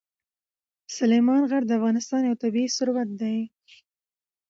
سلیمان غر د افغانستان یو طبعي ثروت دی.